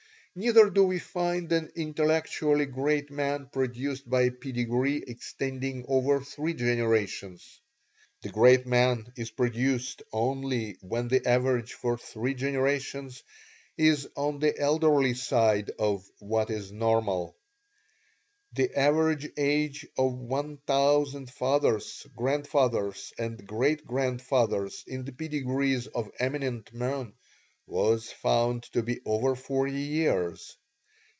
Neither do we find an intellectually great man produced by a pedigree extending over three generations. The great man is produced only when the average for three generations is on the elderly side of what is normal. The average age of one thousand fathers, grandfathers, and great grandfathers in the pedigrees of eminent men was found to be over forty years.